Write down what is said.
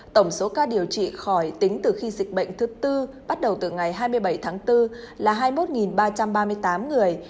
tổng số ca điều trị khỏi tính từ khi dịch bệnh thứ tư bắt đầu từ ngày hai mươi bảy tháng bốn là hai mươi một ba trăm ba mươi tám người